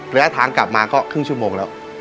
ระยะทางกลับมาก็ครึ่งชั่วโมงแล้ว